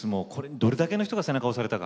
どれだけの人が背中を押されたか。